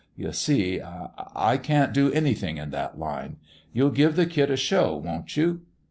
You see, I I can't do anything in that line. You'll give the kid a show, won't you?"